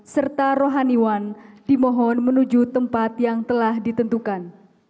serta rohaniwan dimohon menuju tempat yang telah ditentukan